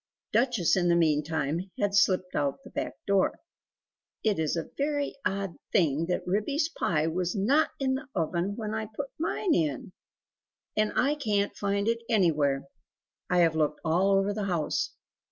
Duchess in the meantime, had slipped out at the back door. "It is a very odd thing that Ribby's pie was NOT in the oven when I put mine in! And I can t find it anywhere; I have looked all over the house.